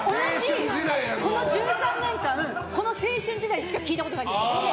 この１３年間この『青春時代』しか聴いたことないんですよ。